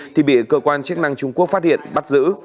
thì bị cơ quan chức năng trung quốc phát hiện bắt giữ